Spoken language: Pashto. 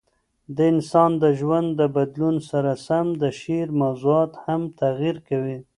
د انسان د ژوند د بدلون سره سم د شعر موضوعات هم تغیر کوي.